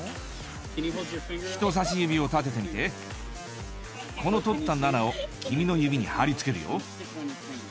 人さし指を立ててみてこの取った７を君の指に張りつけるよ